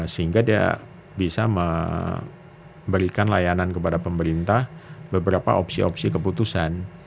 sehingga dia bisa memberikan layanan kepada pemerintah beberapa opsi opsi keputusan